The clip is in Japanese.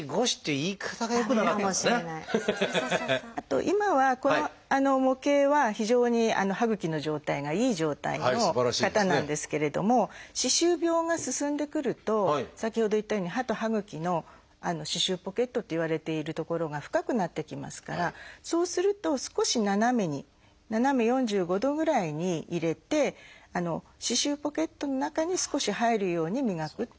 あと今はこの模型は非常に歯ぐきの状態がいい状態の方なんですけれども歯周病が進んでくると先ほど言ったように歯と歯ぐきの「歯周ポケット」っていわれている所が深くなってきますからそうすると少し斜めに斜め４５度ぐらいに入れて歯周ポケットの中に少し入るように磨く。